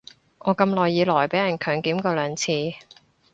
我咁耐以來被人強檢過兩次